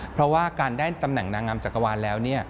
เพราะว่าการได้ตำแหน่งนางงามจักรวาลแล้ว